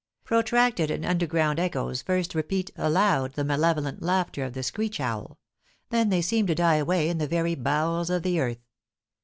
Protracted and underground echoes first repeat aloud the malevolent laughter of the screech owl. Then they seem to die away in the very bowels of the earth.